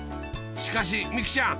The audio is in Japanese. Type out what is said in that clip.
しかし未姫ちゃん